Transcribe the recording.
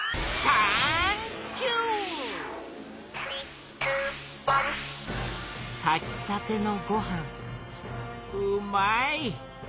たきたてのごはんうまい！